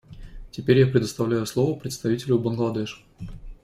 Теперь я предоставляю слово представителю Бангладеш.